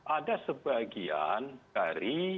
ada sebagian dari